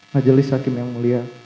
majelis hakim yang mulia